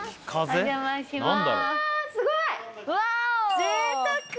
お邪魔します。